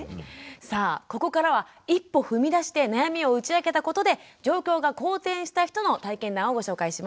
さあここからは一歩踏み出して悩みを打ち明けたことで状況が好転した人の体験談をご紹介します。